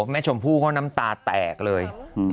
แม่ฉมพูของเขาน้ำตาแตกเลย